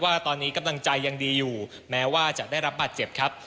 ว่าตอนนี้กำลังใจยังดีอยู่แม้ว่าจะได้รับบาดเจ็บครับ